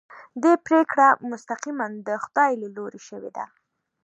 دې پرېکړه مستقیماً د خدای له لوري شوې ده.